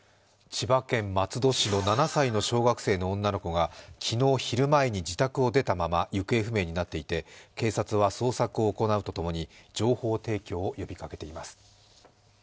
千葉県松戸市の７歳の小学生の女の子が昨日昼前に自宅を出たまま行方不明になっていて、警察は捜索を行うとともに情報提供を呼びかけています。